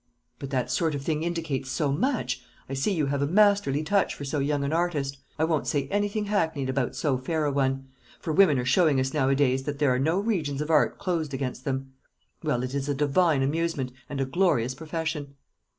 "But that sort of thing indicates so much. I see you have a masterly touch for so young an artist. I won't say anything hackneyed about so fair a one; for women are showing us nowadays that there are no regions of art closed against them. Well, it is a divine amusement, and a glorious profession."